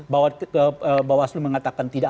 bahwa bawaslu mengatakan tidak